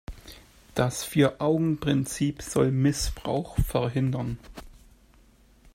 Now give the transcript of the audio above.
Das Vier-Augen-Prinzip soll Missbrauch verhindern.